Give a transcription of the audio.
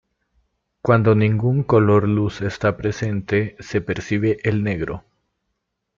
Cuando ningún color luz está presente, se percibe el negro.